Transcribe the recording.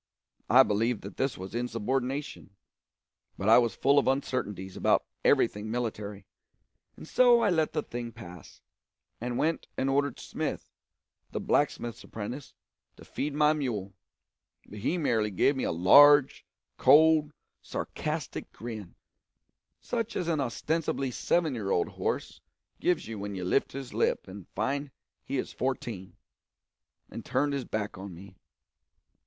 I believed that this was insubordination, but I was full of uncertainties about everything military, and so I let the thing pass, and went and ordered Smith, the blacksmith's apprentice, to feed the mule; but he merely gave me a large, cold, sarcastic grin, such as an ostensibly seven year old horse gives you when you lift his lip and find he is fourteen, and turned his back on me.